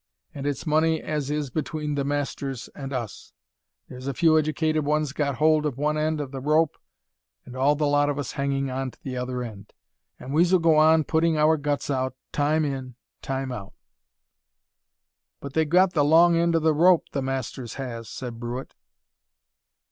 An' it's money as is between the masters and us. There's a few educated ones got hold of one end of the rope, and all the lot of us hanging on to th' other end, an' we s'll go on pulling our guts out, time in, time out " "But they've got th' long end o' th' rope, th' masters has," said Brewitt.